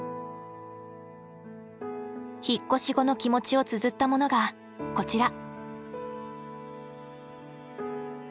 引っ越し後の気持ちをつづったものがこちら。